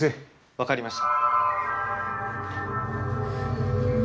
分かりました。